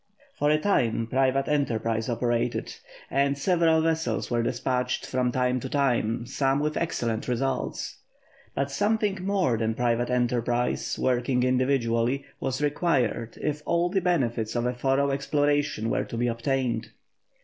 For a time private enterprise operated, and several vessels were despatched, from time to time, some with excellent results; but something more than private enterprise, working individually, was required if all the benefits of a thorough exploration were to be obtained.